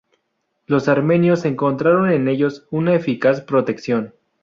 Los armenios encontraron en ellos una eficaz protección.